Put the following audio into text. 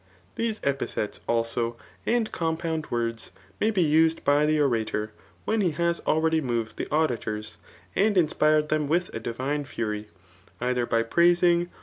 These epithets, als^ and compound words, naay be used by the orator^ when he his dready moved riie auditors, and inspired; tti^yi with a divine.fury, either by praising